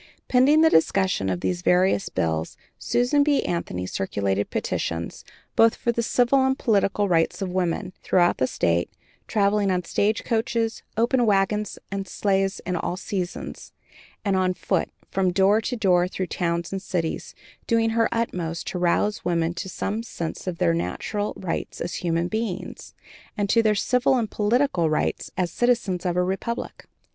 Pending the discussion of these various bills, Susan B. Anthony circulated petitions, both for the civil and political rights of women, throughout the State, traveling in stage coaches, open wagons, and sleighs in all seasons, and on foot, from door to door through towns and cities, doing her uttermost to rouse women to some sense of their natural rights as human beings, and to their civil and political rights as citizens of a republic.